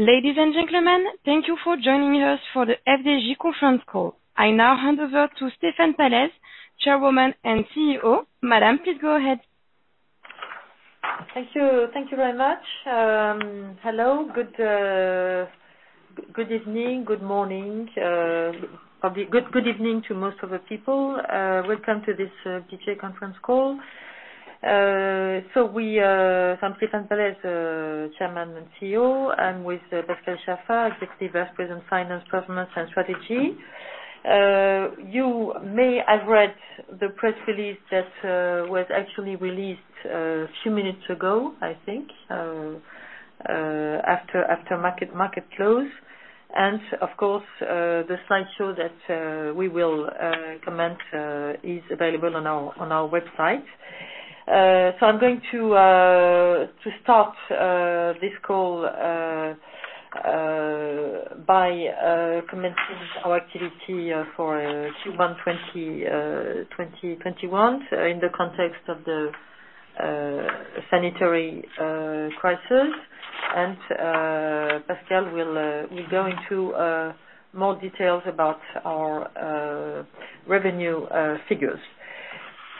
Ladies and gentlemen, thank you for joining us for the FDJ Conference Call. I now hand over to Stéphane Pallez, Chairwoman and CEO. Madam, please go ahead. Thank you, thank you very much. Hello, good evening, good morning, probably good evening to most of the people. Welcome to this FDJ Conference Call. I am Stéphane Pallez, Chairman and CEO. I am with Pascal Chaffard, Executive Vice President, Finance, Performance, and Strategy. You may have read the press release that was actually released a few minutes ago, I think, after market close. Of course, the slideshow that we will comment is available on our website. I am going to start this call by commencing our activity for Q1 2021 in the context of the sanitary crisis. Pascal will go into more details about our revenue figures.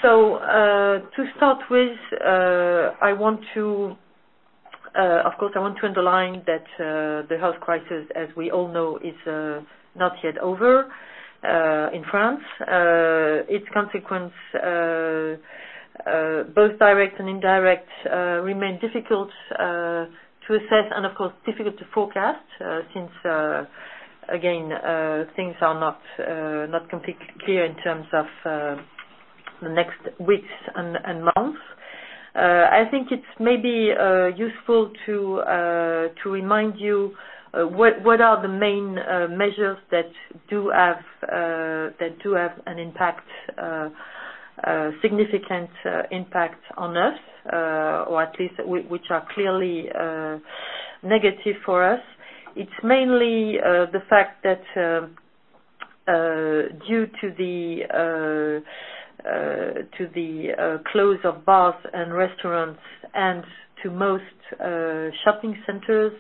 To start with, I want to underline that the health crisis, as we all know, is not yet over in France. Its consequence, both direct and indirect, remain difficult to assess, and of course, difficult to forecast, since, again, things are not completely clear in terms of the next weeks and months. I think it's maybe useful to remind you what are the main measures that do have, that do have an impact, significant impact on us, or at least which are clearly negative for us. It's mainly the fact that, due to the close of bars and restaurants and to most shopping centers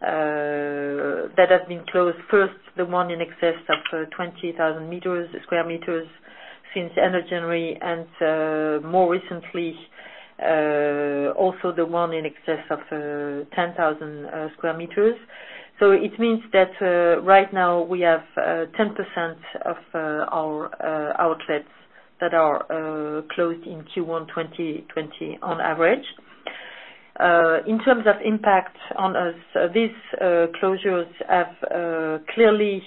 that have been closed, first the ones in excess of 20,000 sq m, since end of January, and more recently, also the ones in excess of 10,000 sq m. It means that, right now we have 10% of our outlets that are closed in Q1 2020 on average. In terms of impact on us, these closures have clearly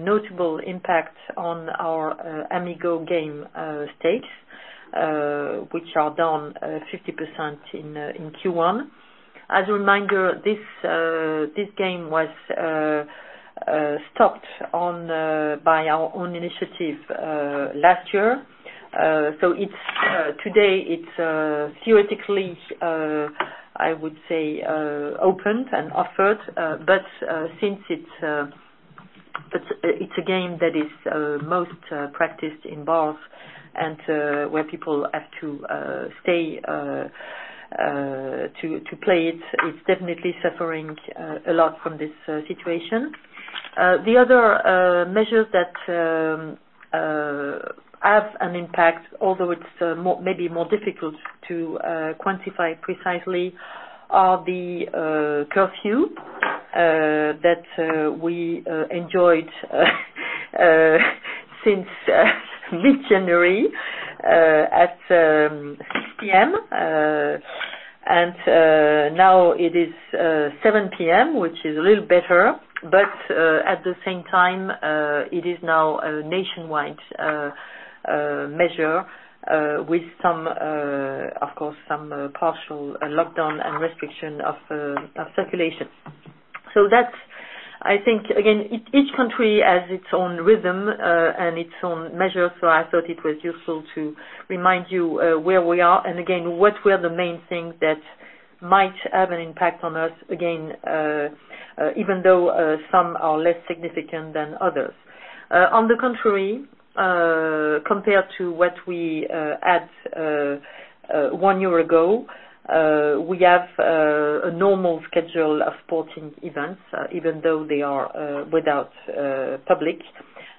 notable impact on our Amigo game stakes, which are down 50% in Q1. As a reminder, this game was stopped on, by our own initiative, last year. So it's, today it's theoretically, I would say, opened and offered, but since it's a game that is most practiced in bars and where people have to stay to play it, it's definitely suffering a lot from this situation. The other measures that have an impact, although it's maybe more difficult to quantify precisely, are the curfew that we enjoyed since mid-January at 6:00 P.M. and now it is 7:00 P.M., which is a little better, but at the same time, it is now a nationwide measure, with some, of course, some partial lockdown and restriction of circulation. I think, again, each country has its own rhythm, and its own measures, so I thought it was useful to remind you where we are, and again, what were the main things that might have an impact on us, again, even though some are less significant than others. On the contrary, compared to what we had one year ago, we have a normal schedule of sporting events, even though they are without public.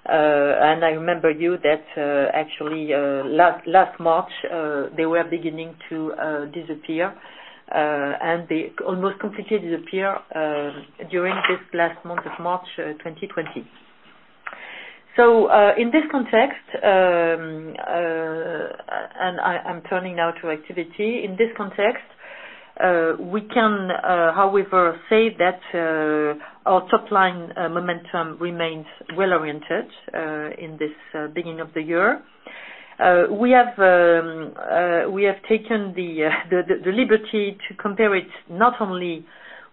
I remember you that, actually, last March, they were beginning to disappear, and they almost completely disappear during this last month of March, 2020. In this context, and I'm turning now to activity. In this context, we can, however, say that our top line momentum remains well oriented in this beginning of the year. We have taken the liberty to compare it not only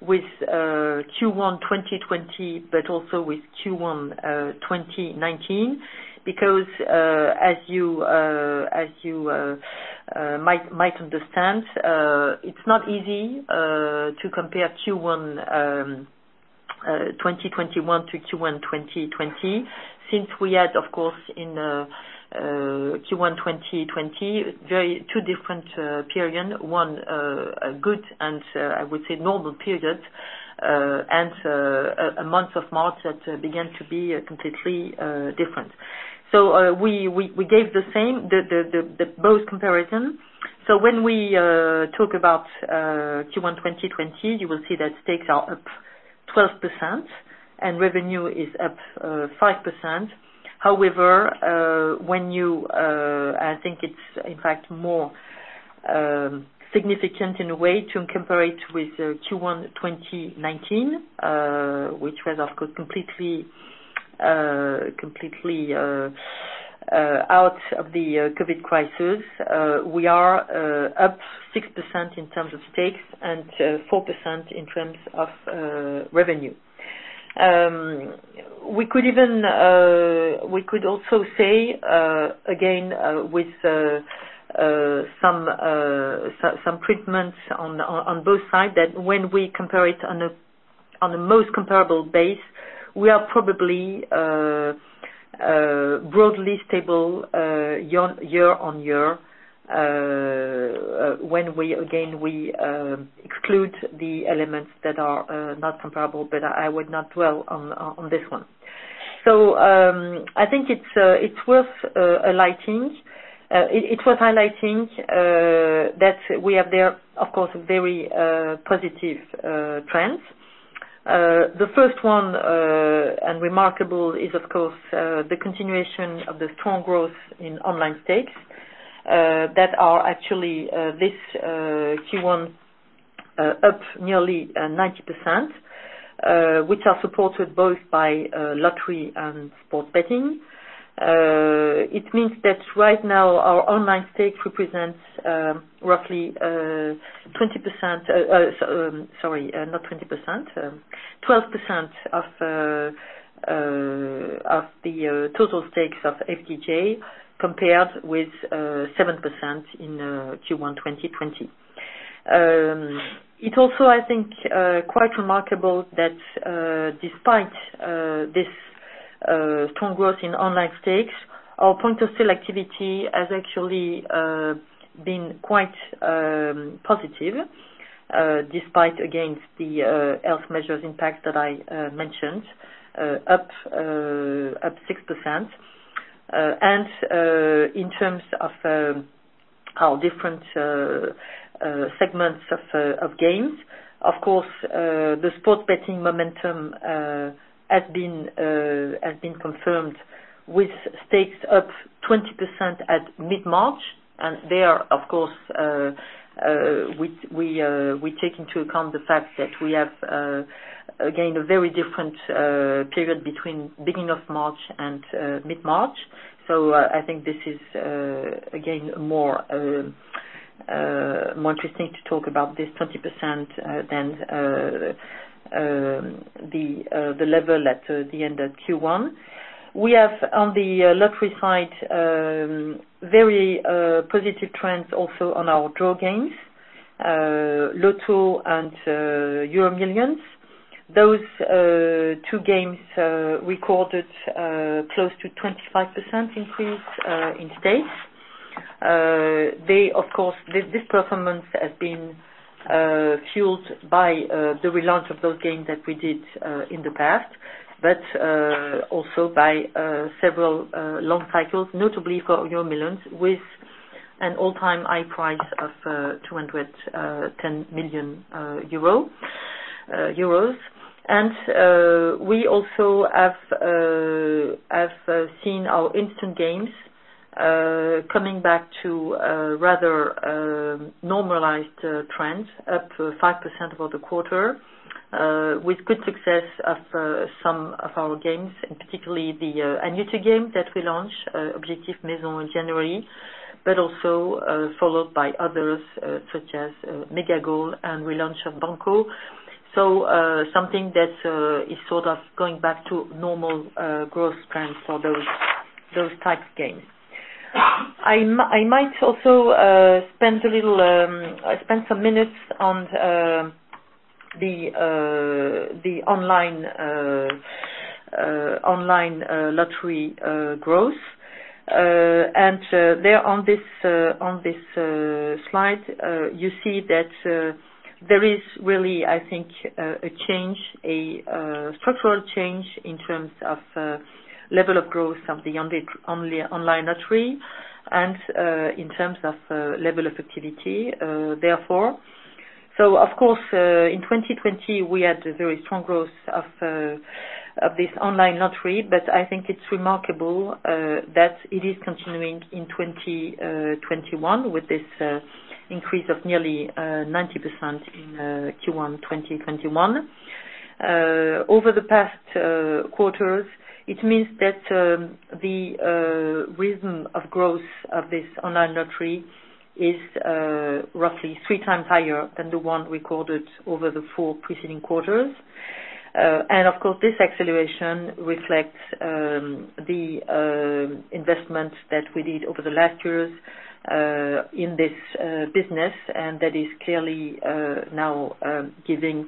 with Q1 2020 but also with Q1 2019, because, as you might understand, it's not easy to compare Q1 2021 to Q1 2020, since we had, of course, in Q1 2020, two very different periods, one a good and, I would say, normal period, and a month of March that began to be completely different. We gave both comparisons. When we talk about Q1 2020, you will see that stakes are up 12%, and revenue is up 5%. However, when you, I think it's, in fact, more significant in a way to compare it with Q1 2019, which was, of course, completely out of the COVID crisis, we are up 6% in terms of stakes and 4% in terms of revenue. We could even, we could also say, again, with some treatments on both sides that when we compare it on a most comparable base, we are probably broadly stable year on year, when we, again, we exclude the elements that are not comparable, but I would not dwell on this one. I think it's worth highlighting, it's worth highlighting that we have there, of course, very positive trends. The first one, and remarkable is, of course, the continuation of the strong growth in online stakes, that are actually, this, Q1, up nearly 90%, which are supported both by lottery and sports betting. It means that right now our online stakes represents, roughly, 20%, sorry, not 20%, 12% of, of the, total stakes of FDJ compared with 7% in Q1 2020. It also, I think, quite remarkable that, despite, this, strong growth in online stakes, our point of sale activity has actually, been quite, positive, despite, again, the health measures impact that I, mentioned, up, up 6%. In terms of, our different, segments of, of games, of course, the sports betting momentum, has been, has been confirmed with stakes up 20% at mid-March. Of course, we take into account the fact that we have, again, a very different period between beginning of March and mid-March. I think this is, again, more interesting to talk about this 20% than the level at the end of Q1. We have, on the lottery side, very positive trends also on our draw games, Lotto and EuroMillions. Those two games recorded close to 25% increase in stakes. They, of course, this performance has been fueled by the relaunch of those games that we did in the past, but also by several long cycles, notably for EuroMillions with an all-time high prize of 210 million euro. We also have seen our instant games coming back to a rather normalized trend, up 5% over the quarter, with good success of some of our games, and particularly the annuity game that we launched, Objectif Maison in January, but also followed by others, such as MegaGoal and relaunch of Banco. Something that is sort of going back to normal growth trends for those type games. I might also spend a little, spend some minutes on the online lottery growth. There on this slide, you see that there is really, I think, a change, a structural change in terms of level of growth of the online lottery and in terms of level of activity, therefore. Of course, in 2020, we had a very strong growth of this online lottery, but I think it's remarkable that it is continuing in 2021 with this increase of nearly 90% in Q1 2021. Over the past quarters, it means that the rhythm of growth of this online lottery is roughly three times higher than the one recorded over the four preceding quarters. This acceleration reflects the investment that we did over the last years in this business, and that is clearly now giving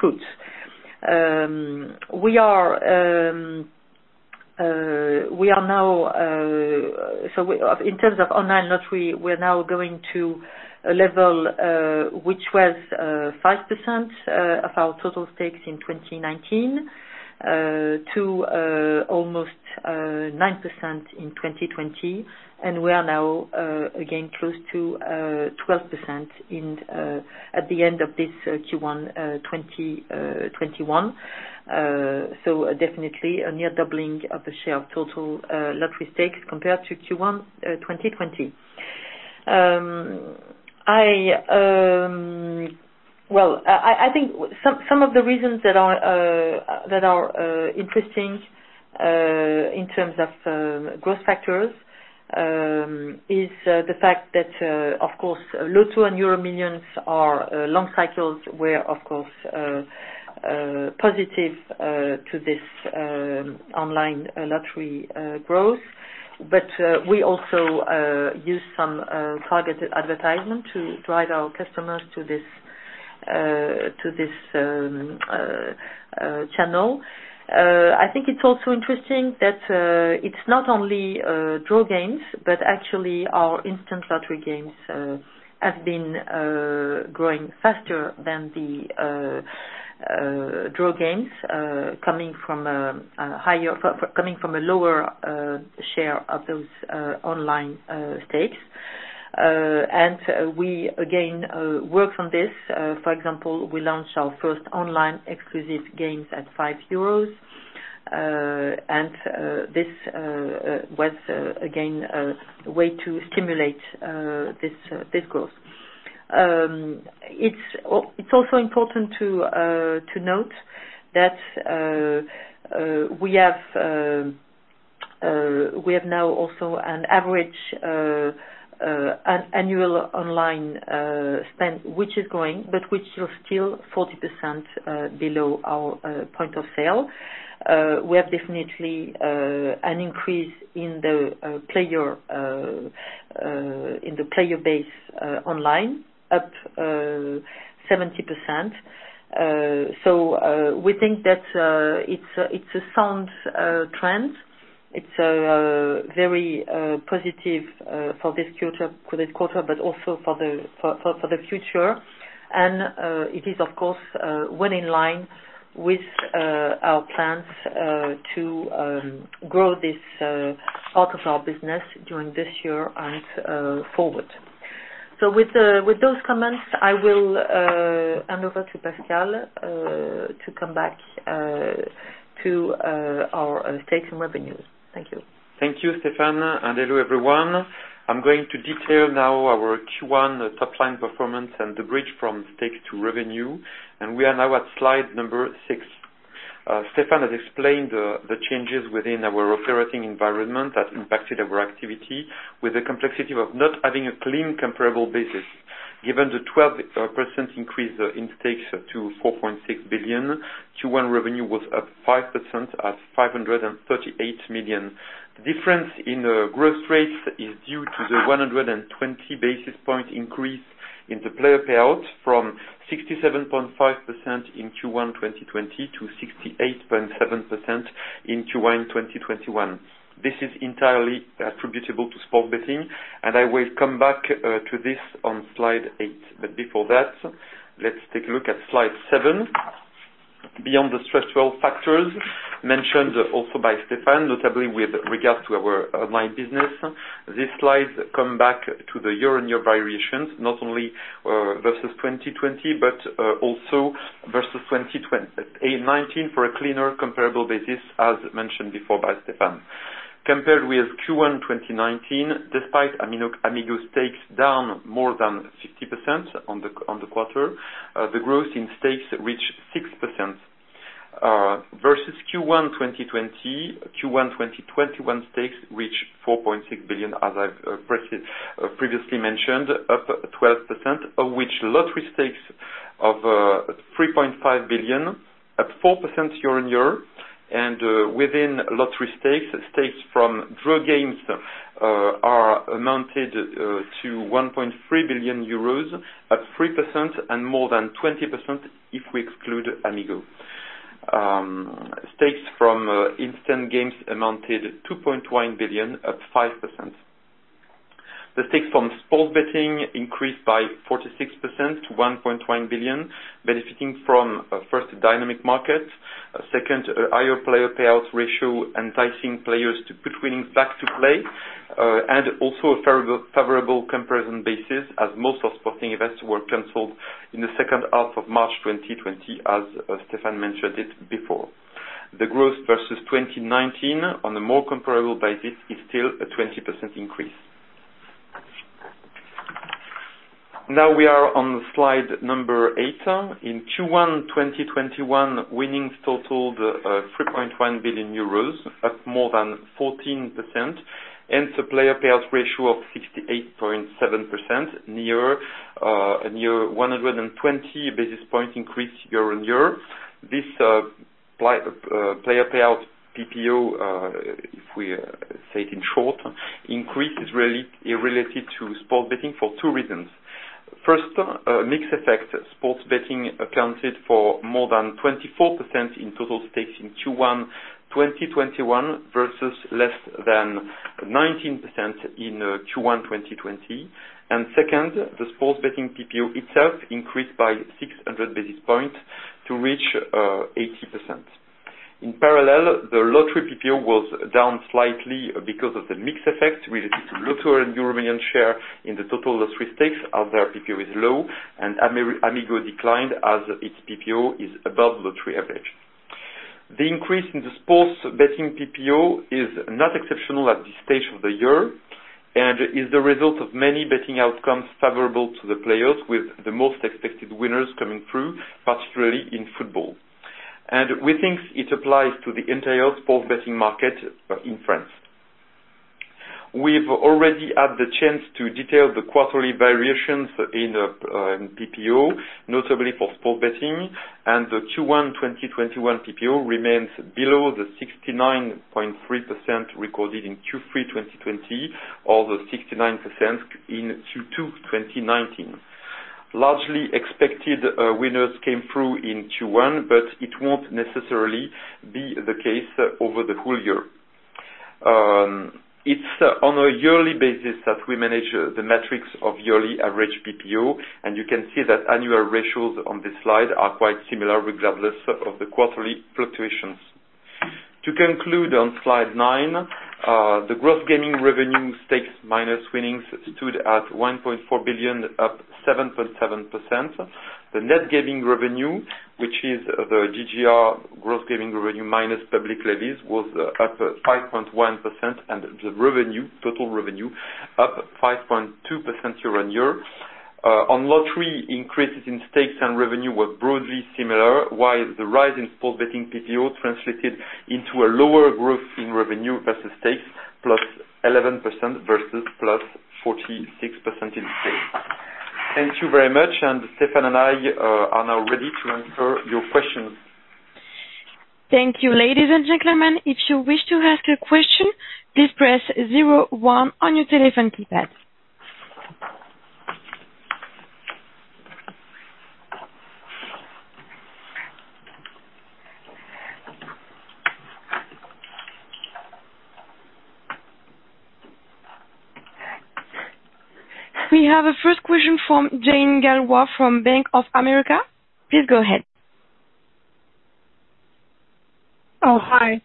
fruits. We are now, in terms of online lottery, going to a level which was 5% of our total stakes in 2019, to almost 9% in 2020, and we are now again close to 12% at the end of this Q1 2021. Definitely a near doubling of the share of total lottery stakes compared to Q1 2020. I think some of the reasons that are interesting in terms of growth factors is the fact that, of course, Lotto and EuroMillions are long cycles where, of course, positive to this online lottery growth. We also use some targeted advertisement to drive our customers to this channel. I think it's also interesting that it's not only draw games, but actually our instant lottery games have been growing faster than the draw games, coming from a higher—from coming from a lower share of those online stakes. We again worked on this. For example, we launched our first online exclusive games at 5 euros, and this was again a way to stimulate this growth. It's also important to note that we have now also an average annual online spend which is growing, but which is still 40% below our point of sale. We have definitely an increase in the player base online, up 70%. We think that it's a sound trend. It's very positive for this quarter, for this quarter, but also for the future. It is, of course, well in line with our plans to grow this part of our business during this year and forward. With those comments, I will hand over to Pascal to come back to our stakes and revenues. Thank you. Thank you, Stéphane. Hello, everyone. I'm going to detail now our Q1 top line performance and the bridge from stakes to revenue, and we are now at slide number six. Stéphane has explained the changes within our operating environment that impacted our activity with the complexity of not having a clean comparable basis. Given the 12% increase in stakes to 4.6 billion, Q1 revenue was up 5% at 538 million. The difference in growth rates is due to the 120 basis point increase in the player payout from 67.5% in Q1 2020 to 68.7% in Q1 2021. This is entirely attributable to sports betting, and I will come back to this on slide eight. Before that, let's take a look at slide seven. Beyond the stressful factors mentioned also by Stéphane, notably with regard to our online business, these slides come back to the year-on-year variations, not only versus 2020 but also versus 2019 for a cleaner comparable basis, as mentioned before by Stéphane. Compared with Q1 2019, despite Amigo stakes down more than 50% on the quarter, the growth in stakes reached 6%. Versus Q1 2020, Q1 2021 stakes reached 4.6 billion, as I've previously mentioned, up 12%, of which lottery stakes of 3.5 billion, up 4% year-on-year. Within lottery stakes, stakes from draw games amounted to 1.3 billion euros, up 3% and more than 20% if we exclude Amigo. Stakes from instant games amounted to 2.1 billion, up 5%. The stakes from sports betting increased by 46% to 1.1 billion, benefiting from, first, dynamic markets, second, a higher player payout ratio enticing players to put winnings back to play, and also a favorable, favorable comparison basis as most of sporting events were canceled in the second half of March 2020, as Stéphane mentioned it before. The growth versus 2019 on a more comparable basis is still a 20% increase. Now we are on slide number eight. In Q1 2021, winnings totaled 3.1 billion euros, up more than 14%, hence a player payout ratio of 68.7%, near, near 120 basis point increase year-on-year. This player payout PPO, if we say it in short, increase is related to sports betting for two reasons. First, mixed effect. Sports betting accounted for more than 24% in total stakes in Q1 2021 versus less than 19% in Q1 2020. Second, the sports betting PPO itself increased by 600 basis points to reach 80%. In parallel, the lottery PPO was down slightly because of the mixed effect related to Lotto and EuroMillions share in the total lottery stakes, as their PPO is low, and Amigo declined as its PPO is above lottery average. The increase in the sports betting PPO is not exceptional at this stage of the year and is the result of many betting outcomes favorable to the players with the most expected winners coming through, particularly in football. We think it applies to the entire sports betting market in France. We have already had the chance to detail the quarterly variations in PPO, notably for sports betting, and the Q1 2021 PPO remains below the 69.3% recorded in Q3 2020 or the 69% in Q2 2019. Largely expected, winners came through in Q1, but it won't necessarily be the case over the whole year. It's on a yearly basis that we manage, the metrics of yearly average PPO, and you can see that annual ratios on this slide are quite similar regardless of the quarterly fluctuations. To conclude on slide nine, the gross gaming revenue, stakes minus winnings, stood at 1.4 billion, up 7.7%. The net gaming revenue, which is the GGR, gross gaming revenue minus public levies, was up 5.1%, and the revenue, total revenue, up 5.2% year-on-year. On lottery, increases in stakes and revenue were broadly similar, while the rise in sports betting PPO translated into a lower growth in revenue versus stakes, plus 11% versus plus 46% in stakes. Thank you very much, and Stéphane and I are now ready to answer your questions. Thank you, ladies and gentlemen. If you wish to ask a question, please press 01 on your telephone keypad. We have a first question from Jane Galway from Bank of America. Please go ahead. Oh, hi.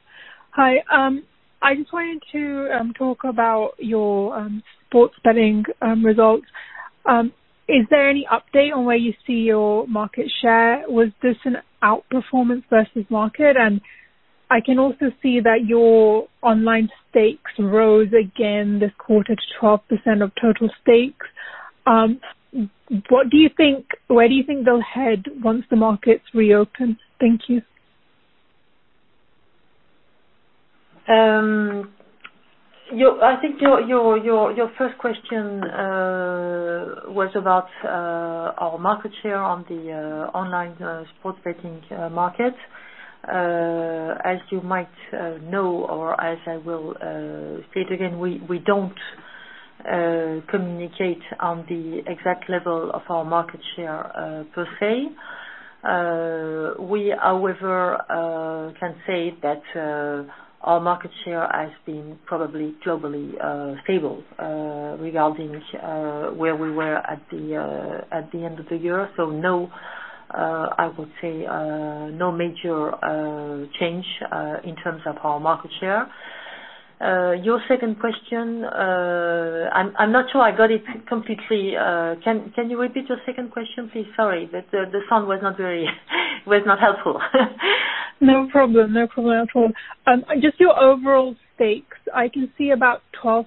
Hi. I just wanted to talk about your sports betting results. Is there any update on where you see your market share? Was this an outperformance versus market? I can also see that your online stakes rose again this quarter to 12% of total stakes. What do you think, where do you think they'll head once the markets reopen? Thank you. I think your first question was about our market share on the online sports betting market. As you might know, or as I will state again, we don't communicate on the exact level of our market share, per se. We, however, can say that our market share has been probably globally stable, regarding where we were at the end of the year. I would say no major change in terms of our market share. Your second question, I'm not sure I got it completely. Can you repeat your second question, please? Sorry, the sound was not very helpful. No problem. No problem. Just your overall stakes. I can see about 12%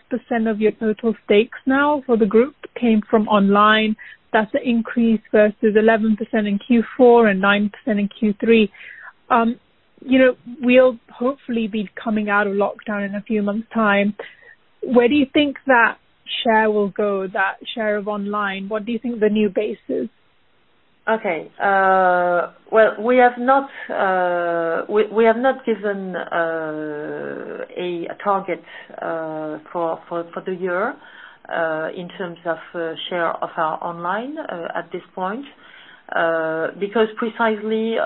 of your total stakes now for the group came from online. That's an increase versus 11% in Q4 and 9% in Q3. You know, we'll hopefully be coming out of lockdown in a few months' time. Where do you think that share will go, that share of online? What do you think the new base is? Okay. We have not, we have not given a target for the year, in terms of share of our online, at this point, because precisely,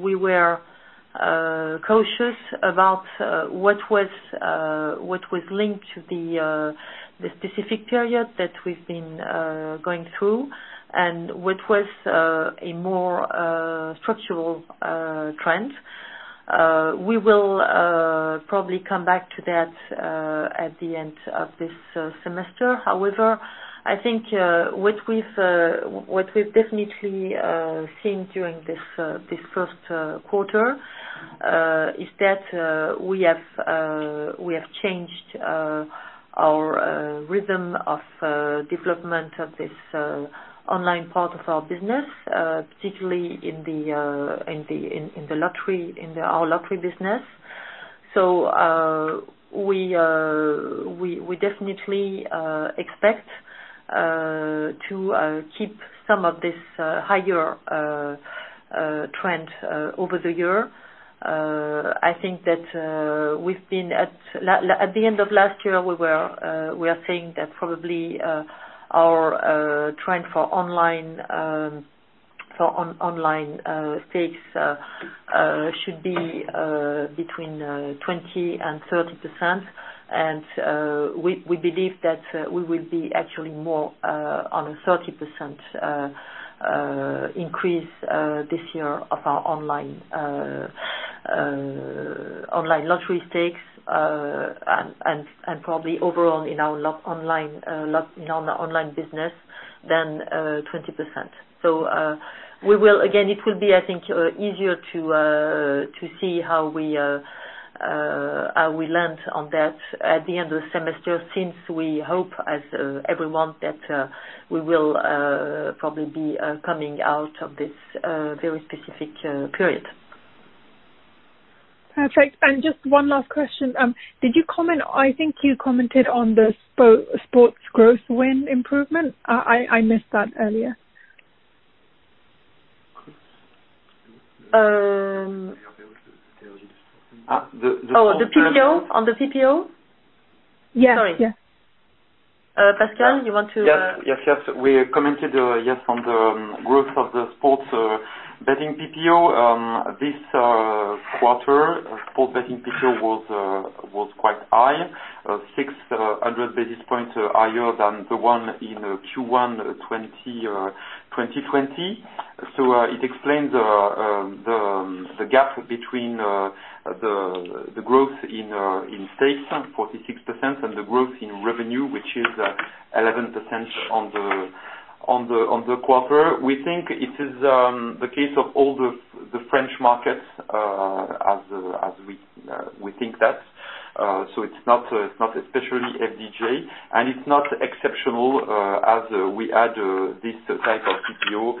we were cautious about what was linked to the specific period that we've been going through and what was a more structural trend. We will probably come back to that at the end of this semester. However, I think what we've definitely seen during this first quarter is that we have changed our rhythm of development of this online part of our business, particularly in the lottery, in our lottery business. We definitely expect to keep some of this higher trend over the year. I think that, at the end of last year, we were saying that probably, our trend for online, for online stakes, should be between 20% and 30%. We believe that we will be actually more on a 30% increase this year of our online lottery stakes, and probably overall in our online business than 20%. It will be, I think, easier to see how we land on that at the end of the semester since we hope, as everyone, that we will probably be coming out of this very specific period. Perfect. Just one last question. Did you comment, I think you commented on the sports growth win improvement. I missed that earlier. Oh, the PPO? On the PPO? Yes. Sorry. Yes.Pascal, you want to, Yes, yes, yes. We commented, yes, on the growth of the sports betting PPO. This quarter, sports betting PPO was quite high, 600 basis points higher than the one in Q1 2020. It explains the gap between the growth in stakes, 46%, and the growth in revenue, which is 11% on the quarter. We think it is the case of all the French markets, as we think that. It is not especially FDJ, and it is not exceptional, as we had this type of PPO,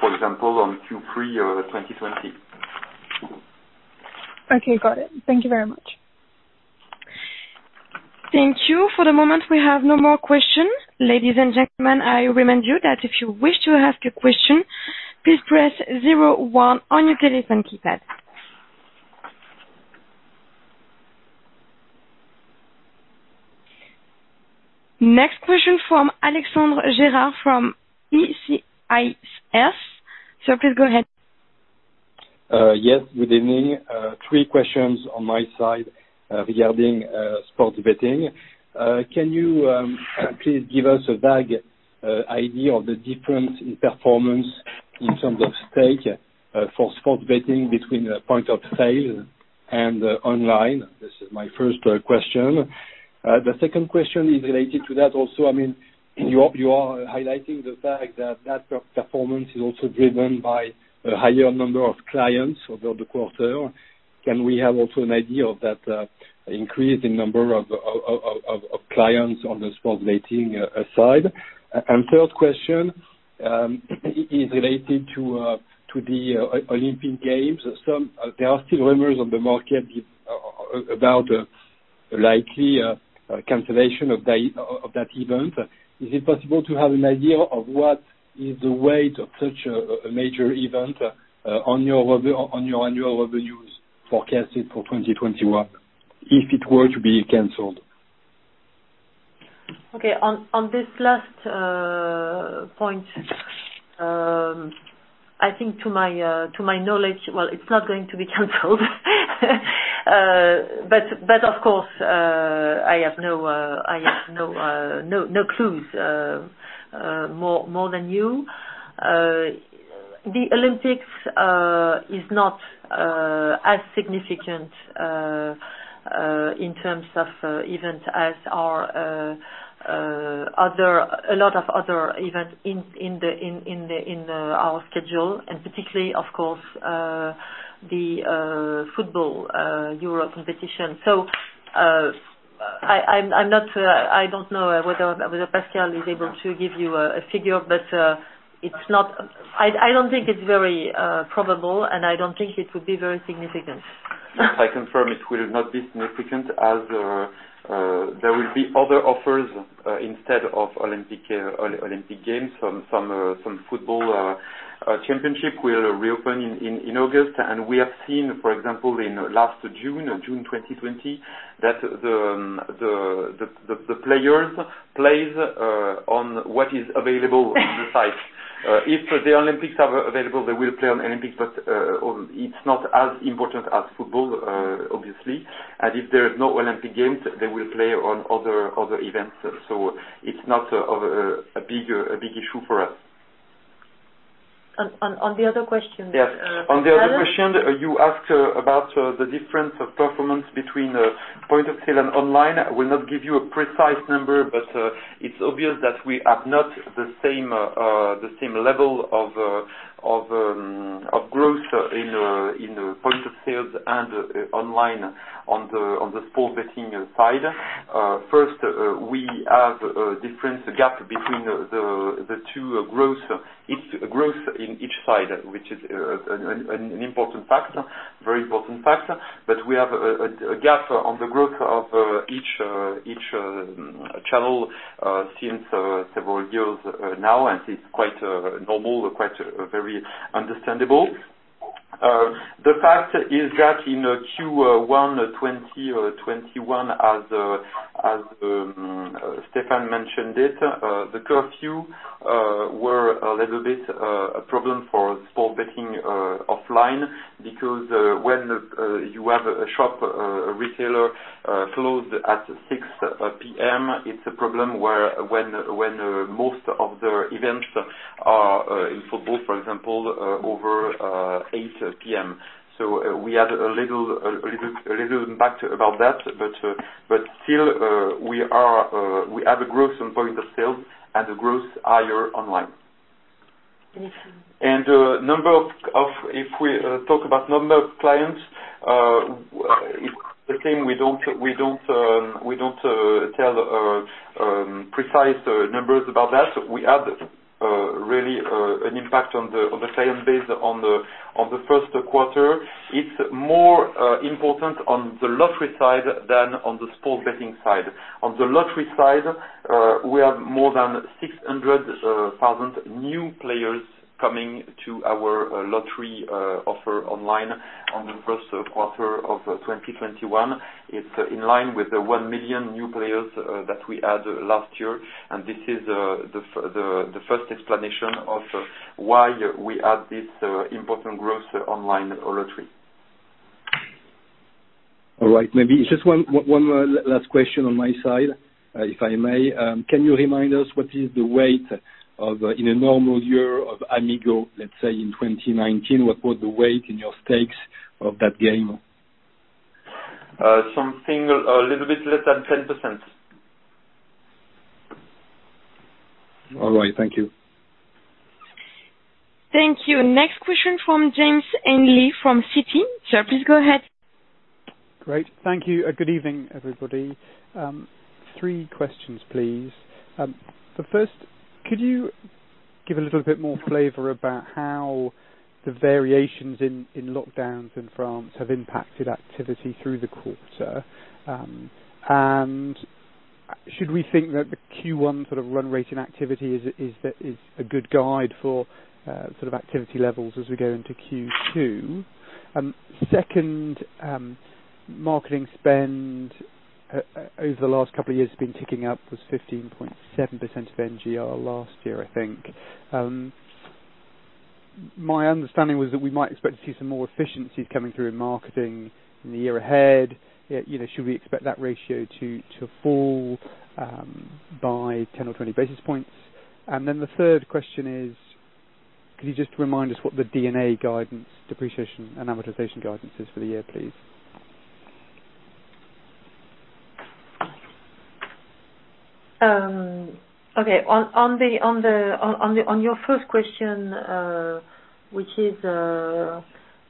for example, in Q3 2020. Okay. Got it. Thank you very much. Thank you. For the moment, we have no more questions. Ladies and gentlemen, I remind you that if you wish to ask a question, please press 01 on your telephone keypad. Next question from Alexandre Gérard from Exane Paribas. Please go ahead. Yes, good evening. Three questions on my side, regarding sports betting. Can you please give us a vague idea of the difference in performance in terms of stake for sports betting between point of sale and online? This is my first question. The second question is related to that also. I mean, you are highlighting the fact that that performance is also driven by a higher number of clients over the quarter. Can we have also an idea of that increase in number of clients on the sports betting side? Third question is related to the Olympic Games. There are still rumors on the market about a likely cancellation of that event. Is it possible to have an idea of what is the weight of such a major event on your annual revenues forecasted for 2021 if it were to be canceled? Okay. On this last point, I think to my knowledge, well, it's not going to be canceled. Of course, I have no, I have no clues, more than you. The Olympics is not as significant in terms of events as are a lot of other events in our schedule, and particularly, of course, the football Euro competition. I don't know whether Pascal is able to give you a figure, but I don't think it's very probable, and I don't think it would be very significant. If I confirm, it will not be significant as there will be other offers instead of Olympic, Olympic Games. Some football championship will reopen in August. We have seen, for example, in last June, June 2020, that the players play on what is available on the site. If the Olympics are available, they will play on Olympics, but it's not as important as football, obviously. If there's no Olympic Games, they will play on other events. It is not a big issue for us. On the other question. Yes. On the other question you asked about the difference of performance between point of sale and online. I will not give you a precise number, but it's obvious that we have not the same level of growth in point of sales and online on the sports betting side. First, we have a difference, a gap between the two growth, each growth in each side, which is an important factor, very important factor. We have a gap on the growth of each channel since several years now, and it's quite normal, quite very understandable. The fact is that in Q1 2021, as Stéphane mentioned it, the curfew was a little bit a problem for sports betting offline because when you have a shop retailer closed at 6:00 P.M., it's a problem when most of the events are, in football for example, over 8:00 P.M. We have a little, a little impact about that, but still, we have a growth in point of sales and a growth higher online. If we talk about number of clients, it's the same. We don't tell precise numbers about that. We have really an impact on the client base in the first quarter. It's more important on the lottery side than on the sports betting side. On the lottery side, we have more than 600,000 new players coming to our lottery offer online in the first quarter of 2021. It's in line with the 1 million new players that we had last year. This is the first explanation of why we had this important growth in online lottery. All right. Maybe just one last question on my side, if I may. Can you remind us what is the weight of, in a normal year, Amigo, let's say, in 2019? What was the weight in your stakes of that game? something a little bit less than 10%. All right. Thank you. Thank you. Next question from James Ainley from Citi. Please go ahead. Great. Thank you. Good evening, everybody. Three questions, please. The first, could you give a little bit more flavor about how the variations in, in lockdowns in France have impacted activity through the quarter? Should we think that the Q1 sort of run rate in activity is, is that a good guide for, sort of activity levels as we go into Q2? Second, marketing spend, over the last couple of years has been ticking up, was 15.7% of NGR last year, I think. My understanding was that we might expect to see some more efficiencies coming through in marketing in the year ahead. You know, should we expect that ratio to, to fall, by 10 or 20 basis points? The third question is, could you just remind us what the D&A guidance, depreciation, and amortization guidance is for the year, please? Okay. On your first question, which is,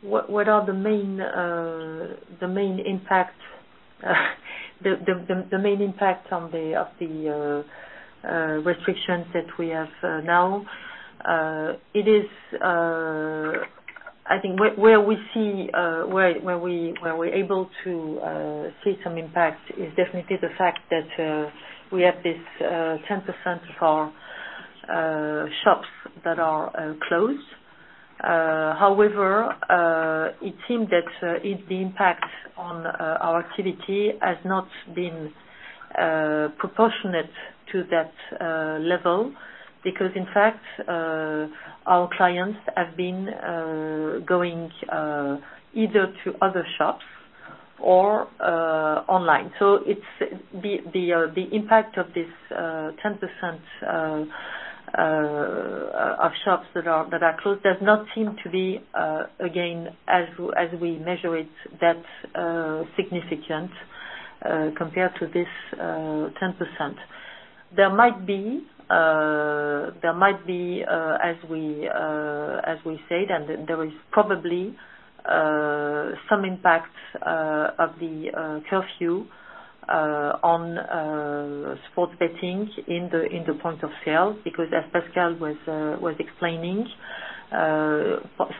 what are the main impact, the main impact of the restrictions that we have now? I think where we see, where we're able to see some impact is definitely the fact that we have this 10% of our shops that are closed. However, it seemed that the impact on our activity has not been proportionate to that level because, in fact, our clients have been going either to other shops or online. It's the impact of this 10% of shops that are closed does not seem to be, again, as we measure it, that significant compared to this 10%. There might be, there might be, as we said, and there is probably some impact of the curfew on sports betting in the point of sale because, as Pascal was explaining,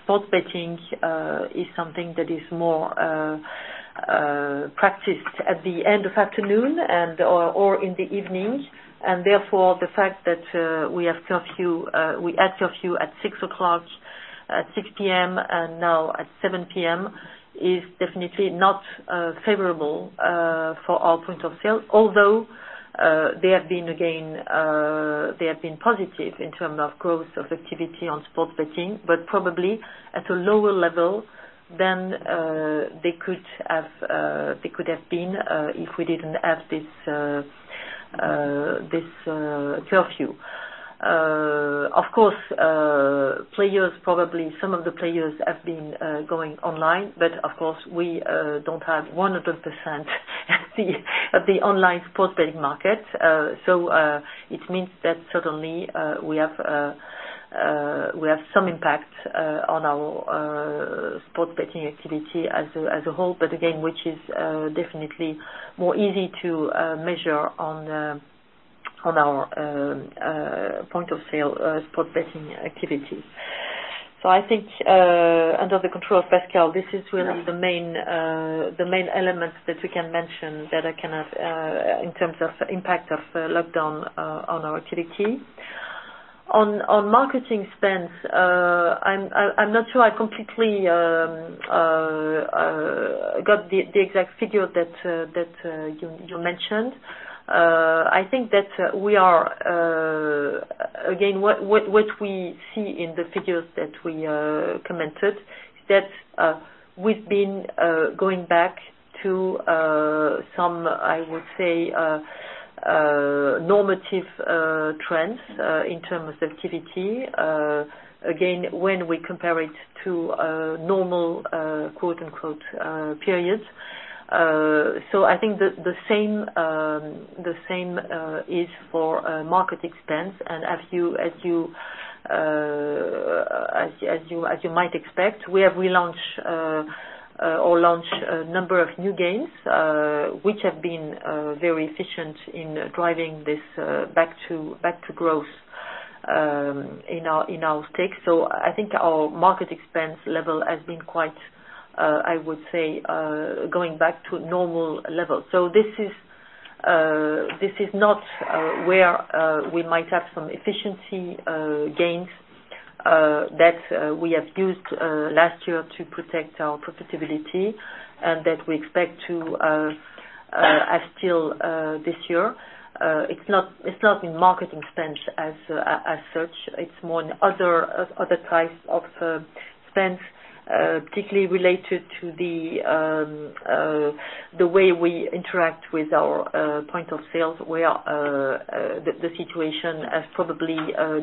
sports betting is something that is more practiced at the end of afternoon and, or in the evening. Therefore, the fact that we have curfew, we had curfew at 6:00 P.M., at 6:00 P.M., and now at 7:00 P.M. is definitely not favorable for our point of sale, although they have been, again, they have been positive in terms of growth of activity on sports betting, but probably at a lower level than they could have, they could have been, if we did not have this curfew. Of course, players, probably some of the players have been going online, but of course, we do not have 100% of the online sports betting market. It means that suddenly, we have some impact on our sports betting activity as a whole, which is definitely more easy to measure on our point of sale sports betting activities. I think, under the control of Pascal, this is really the main element that we can mention that I cannot, in terms of impact of lockdown, on our activity. On marketing spends, I am not sure I completely got the exact figure that you mentioned. I think that we are, again, what we see in the figures that we commented is that we've been going back to some, I would say, normative trends in terms of activity, again, when we compare it to normal, quote-unquote, periods. I think the same is for market expense. As you might expect, we have relaunched or launched a number of new games, which have been very efficient in driving this back to growth in our stakes. I think our market expense level has been quite, I would say, going back to normal level. This is not where we might have some efficiency gains that we have used last year to protect our profitability and that we expect to have still this year. It's not in marketing spends as such. It's more in other types of spends, particularly related to the way we interact with our point of sales where the situation has probably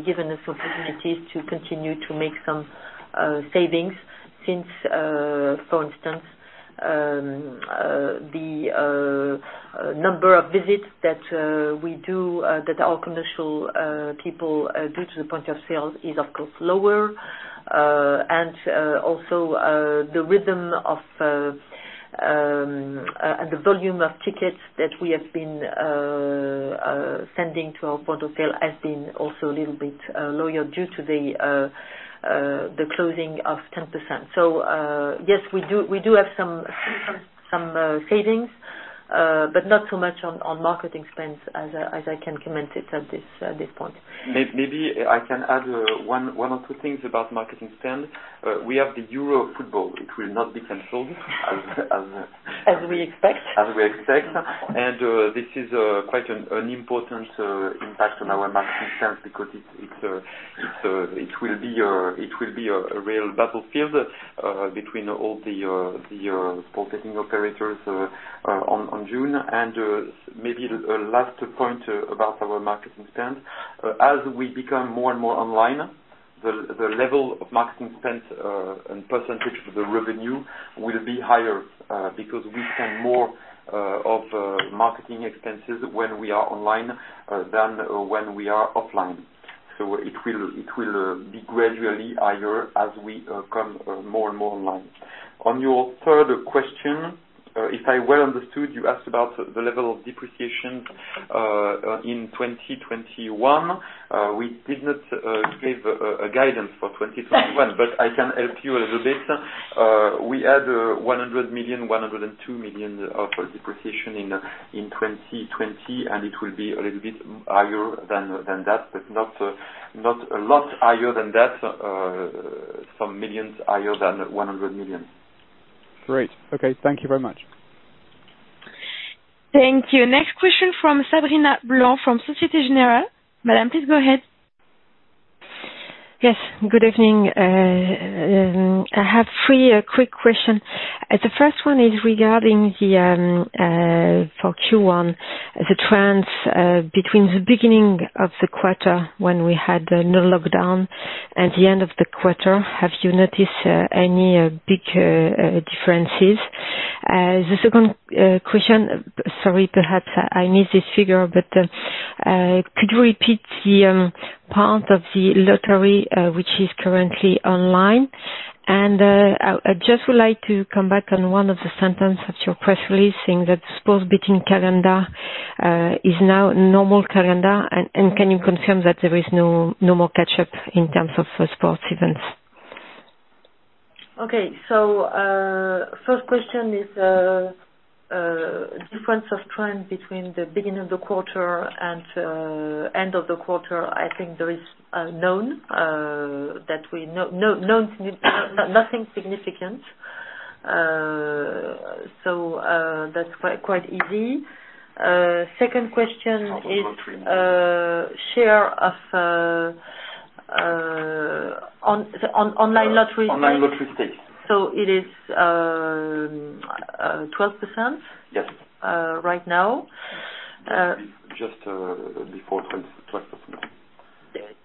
given us opportunities to continue to make some savings since, for instance, the number of visits that we do, that our commercial people do to the point of sales is, of course, lower. Also, the rhythm of and the volume of tickets that we have been sending to our point of sale has been also a little bit lower due to the closing of 10%. Yes, we do have some savings, but not so much on marketing spends as I can comment at this point. Maybe I can add one or two things about marketing spend. We have the Euro football. It will not be canceled as is. As we expect. As we expect. This is quite an important impact on our marketing spends because it will be a real battlefield between all the sports betting operators in June. Maybe a last point about our marketing spend. As we become more and more online, the level of marketing spends and percentage of the revenue will be higher because we spend more of marketing expenses when we are online than when we are offline. It will be gradually higher as we come more and more online. On your third question, if I well understood, you asked about the level of depreciations in 2021. We did not give a guidance for 2021, but I can help you a little bit. We had 100 million, 102 million of depreciation in 2020, and it will be a little bit higher than that, but not a lot higher than that, some millions higher than 100 million. Great. Okay. Thank you very much. Thank you. Next question from Sabrina Blanc from Société Générale. Madame, please go ahead. Yes. Good evening. I have three quick questions. The first one is regarding the, for Q1, the trends between the beginning of the quarter when we had no lockdown and the end of the quarter. Have you noticed any big differences? The second question, sorry, perhaps I missed this figure, but could you repeat the part of the lottery which is currently online? I would just would like to come back on one of the sentences of your press release saying that sports betting calendar is now normal calendar. Can you confirm that there is no, no more catch-up in terms of sports events? Okay. First question is, difference of trend between the beginning of the quarter and end of the quarter, I think there is, known, that we know, no, nothing significant. That's quite, quite easy. Second question is. On the lottery number. share of, on online lottery. Online lottery stakes. It is 12%. Yes. right now. Just before 12, 12%.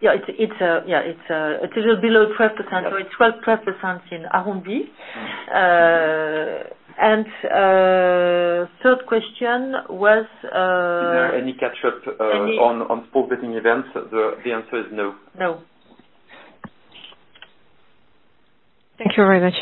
Yeah. It's, it's a little below 12%. So it's 12, 12% in arrondi. Third question was, Is there any catch-up? Any. On sports betting events? The answer is no. No. Thank you very much.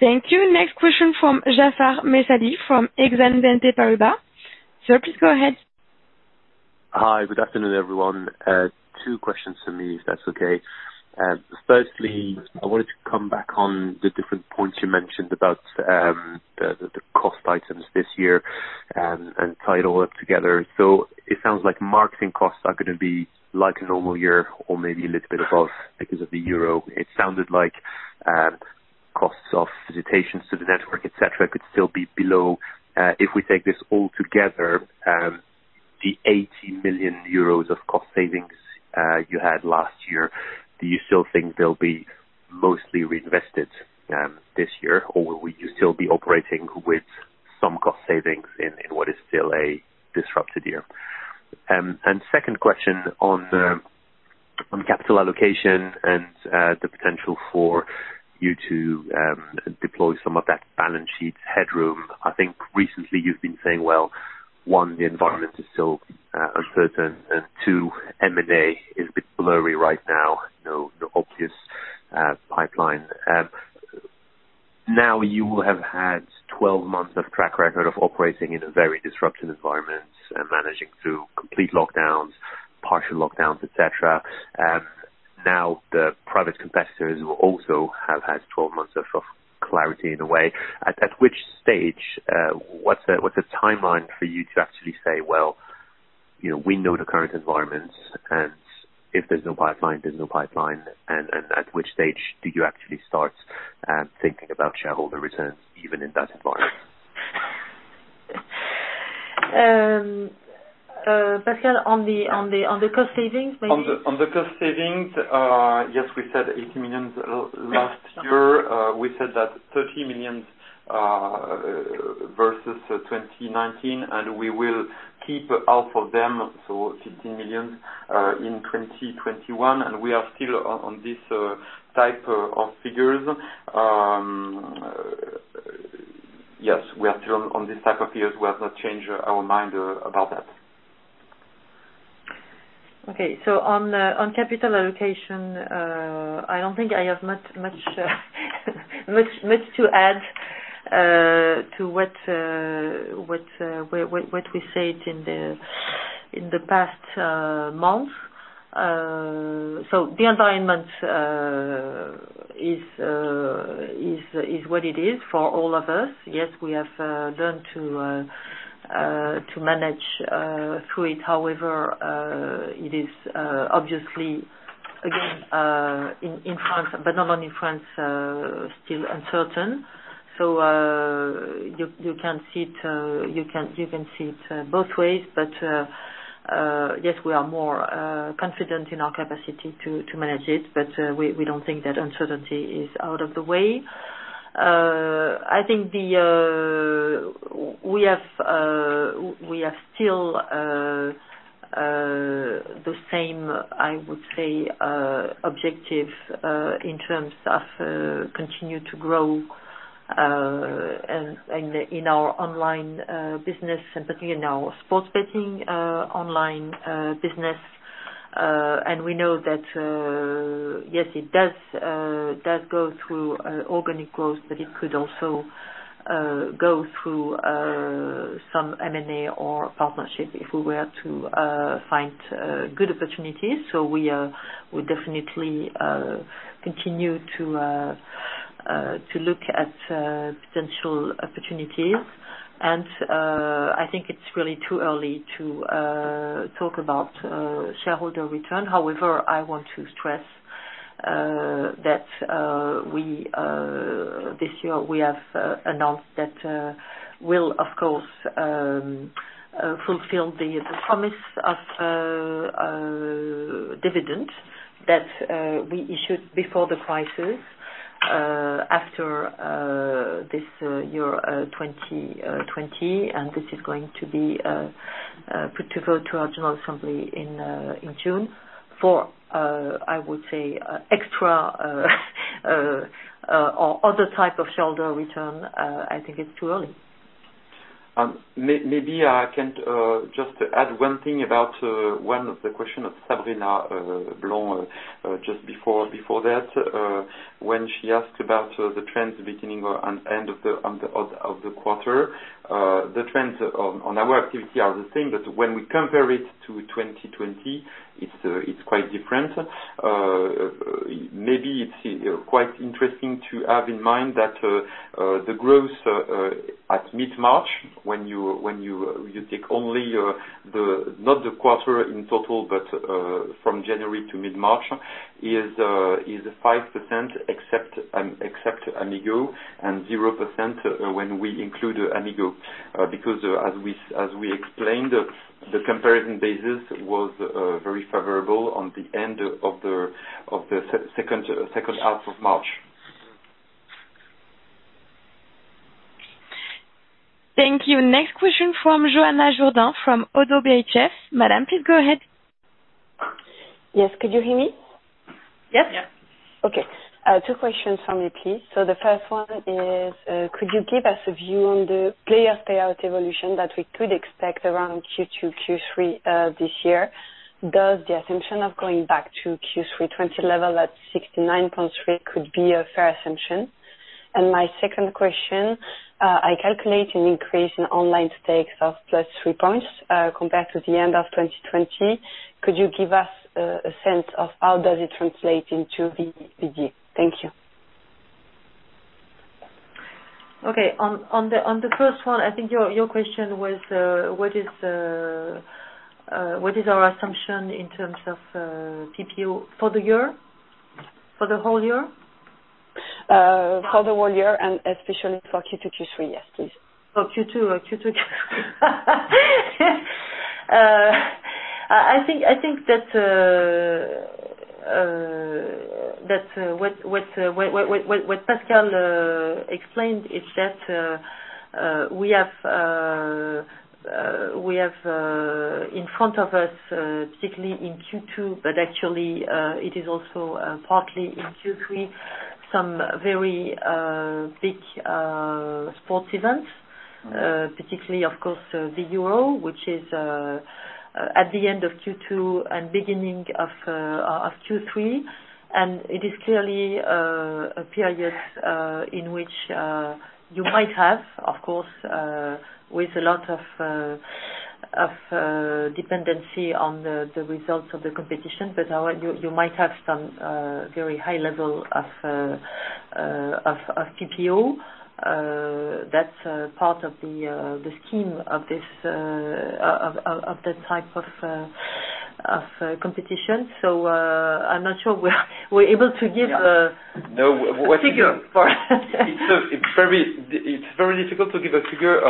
Thank you. Next question from Jaafar Mestari from Exane BNP Paribas. Sir, please go ahead. Hi. Good afternoon, everyone. Two questions for me, if that's okay. Firstly, I wanted to come back on the different points you mentioned about the cost items this year, and tie it all up together. It sounds like marketing costs are going to be like a normal year or maybe a little bit above because of the euro. It sounded like costs of visitations to the network, etc., could still be below. If we take this all together, the 80 million euros of cost savings you had last year, do you still think they'll be mostly reinvested this year, or will you still be operating with some cost savings in what is still a disrupted year? Second question on capital allocation and the potential for you to deploy some of that balance sheet headroom. I think recently you've been saying, well, one, the environment is still uncertain, and two, M&A is a bit blurry right now. No obvious pipeline. Now you will have had 12 months of track record of operating in a very disrupted environment and managing through complete lockdowns, partial lockdowns, etc. Now the private competitors will also have had 12 months of clarity in a way. At which stage, what's a timeline for you to actually say, well, you know, we know the current environment, and if there's no pipeline, there's no pipeline? At which stage do you actually start thinking about shareholder returns even in that environment? Pascal, on the on the cost savings, maybe? On the cost savings, yes, we said 80 million last year. We said that 30 million, versus 2019, and we will keep half of them, so 15 million, in 2021. We are still on this type of figures. Yes, we are still on this type of figures. We have not changed our mind about that. Okay. On capital allocation, I don't think I have much to add to what we said in the past months. The environment is what it is for all of us. Yes, we have learned to manage through it. However, it is obviously, again, in France, but not only in France, still uncertain. You can see it both ways. Yes, we are more confident in our capacity to manage it, but we don't think that uncertainty is out of the way. I think we have still the same, I would say, objective in terms of continuing to grow, and in our online business, and particularly in our sports betting online business. We know that, yes, it does go through organic growth, but it could also go through some M&A or partnership if we were to find good opportunities. We would definitely continue to look at potential opportunities. I think it's really too early to talk about shareholder return. However, I want to stress that this year we have announced that we'll, of course, fulfill the promise of dividends that we issued before the crisis, after this year, 2020. This is going to be put to vote to our General Assembly in June. For, I would say, extra or other type of shareholder return, I think it's too early. Maybe I can just add one thing about one of the questions of Sabrina Blanc just before that. When she asked about the trends beginning or end of the quarter, the trends on our activity are the same, but when we compare it to 2020, it's quite different. Maybe it's quite interesting to have in mind that the growth at mid-March, when you take only not the quarter in total but from January to mid-March, is 5% except Amigo, and 0% when we include Amigo, because, as we explained, the comparison basis was very favorable on the end of the second half of March. Thank you. Next question from Joanna Jourdain from Oddo BHF. Madame, please go ahead. Yes. Could you hear me? Yes. Yes. Okay. Two questions for me, please. The first one is, could you give us a view on the player's payout evolution that we could expect around Q2, Q3, this year? Does the assumption of going back to Q3 2020 level at 69.3% could be a fair assumption? My second question, I calculate an increase in online stakes of plus 3 percentage points, compared to the end of 2020. Could you give us a sense of how does it translate into the VD? Thank you. Okay. On the first one, I think your question was, what is our assumption in terms of PPO for the year? For the whole year? for the whole year and especially for Q2, Q3, yes, please. For Q2 or Q2, Q3. I think that what Pascal explained is that we have, in front of us, particularly in Q2, but actually, it is also partly in Q3, some very big sports events, particularly, of course, the euro, which is at the end of Q2 and beginning of Q3. It is clearly a period in which you might have, of course, with a lot of dependency on the results of the competition, but you might have some very high level of PPO. That's part of the scheme of this, of that type of competition. I'm not sure we're able to give, No, no. What's the figure for? It's very, it's very difficult to give a figure,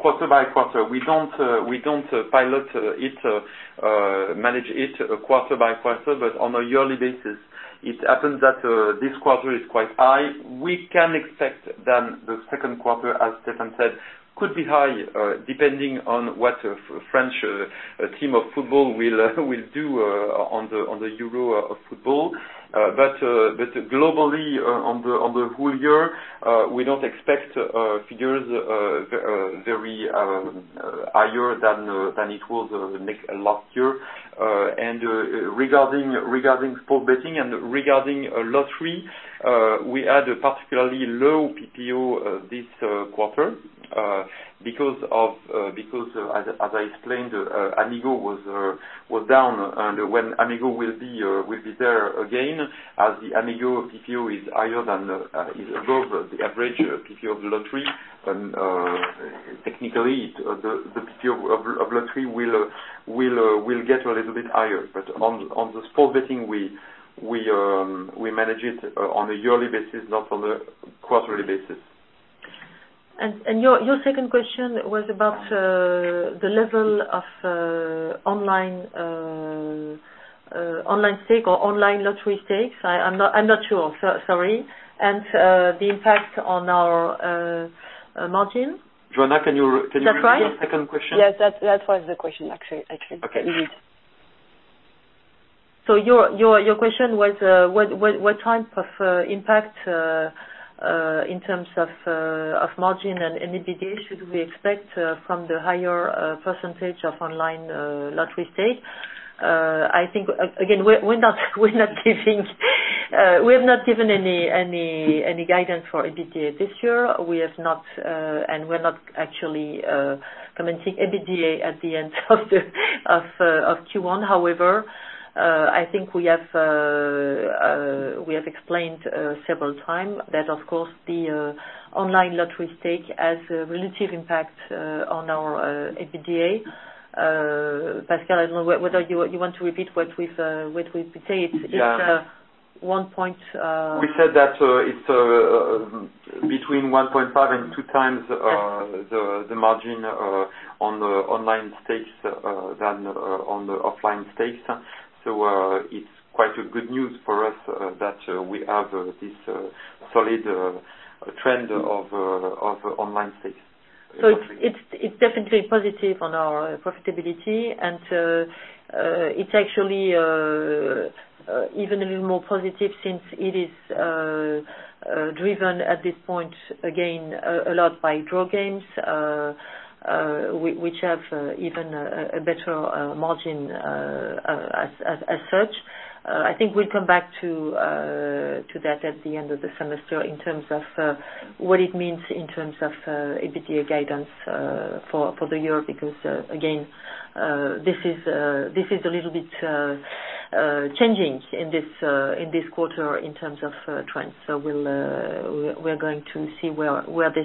quarter by quarter. We don't, we don't pilot it, manage it, quarter by quarter, but on a yearly basis. It happens that this quarter is quite high. We can expect then the second quarter, as Stéphane said, could be high, depending on what the French team of football will do on the euro of football. Globally, on the whole year, we don't expect figures very, very higher than it was last year. Regarding sports betting and regarding lottery, we had a particularly low PPO this quarter because, as I explained, Amigo was down. When Amigo will be there again, as the Amigo PPO is higher than, is above the average PPO of the lottery, and, technically, the PPO of lottery will get a little bit higher. On the sports betting, we manage it on a yearly basis, not on a quarterly basis. Your second question was about the level of online, online stake or online lottery stakes. I'm not sure. Sorry. And the impact on our margin? Joanna, can you repeat your second question? That's right. Yes, that was the question, actually. Okay. Indeed. Your question was, what type of impact, in terms of margin and EBITDA should we expect from the higher percentage of online lottery stake? I think, again, we're not giving, we have not given any guidance for EBITDA this year. We have not, and we're not actually commenting EBITDA at the end of Q1. However, I think we have explained several times that, of course, the online lottery stake has a relative impact on our EBITDA. Pascal, I don't know whether you want to repeat what we've said. It's, Yeah. 1 point, We said that it's between 1.5 and 2 times the margin on the online stakes than on the offline stakes. It is quite good news for us that we have this solid trend of online stakes. It's definitely positive on our profitability. It's actually even a little more positive since it is driven at this point, again, a lot by draw games, which have even a better margin as such. I think we'll come back to that at the end of the semester in terms of what it means in terms of EBITDA guidance for the year because, again, this is a little bit changing in this quarter in terms of trends. We'll going to see where the.